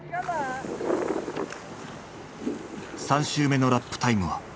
３周目のラップタイムは。